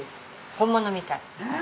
本物みたい。